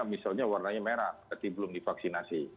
misalnya warnanya merah tapi belum divaksinasi